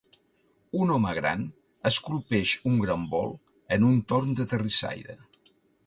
Un home gran esculpeix un gran bol en un torn de terrissaire.